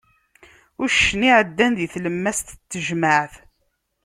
Uccen iɛeddan di tlemmast n tejmaɛt!